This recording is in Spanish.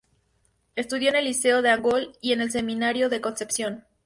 Estudió en el Liceo de Angol y en el Seminario de Concepción.